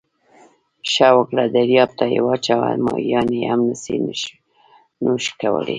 ښه وکړه درياب ته یې واچوه، ماهيان يې هم نسي نوش کولای.